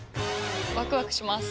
ワクワクします。